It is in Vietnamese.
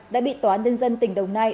đã bị tòa nhân dân tỉnh đồng nai